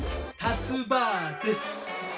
たつ婆です。